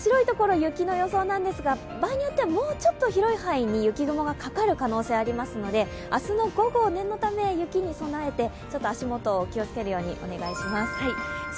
雪の予想なんですが場合によってはもうちょっと広い範囲に雪雲がかかる可能性がありますので、明日の午後、念のため雪に備えて足元、気をつけるようにお願いします。